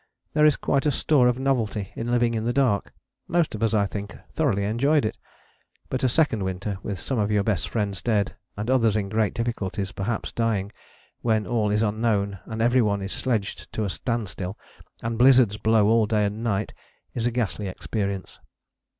There is quite a store of novelty in living in the dark: most of us I think thoroughly enjoyed it. But a second winter, with some of your best friends dead, and others in great difficulties, perhaps dying, when all is unknown and every one is sledged to a standstill, and blizzards blow all day and all night, is a ghastly experience.